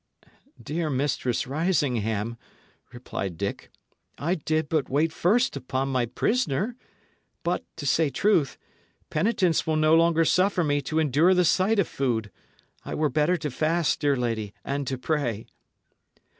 "Dear Mistress Risingham," replied Dick, "I did but wait first upon my prisoner; but, to say truth, penitence will no longer suffer me to endure the sight of food. I were better to fast, dear lady, and to pray."